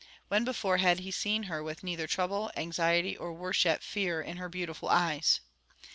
When before had he seen her with neither trouble, anxiety or, worse yet, FEAR, in her beautiful eyes?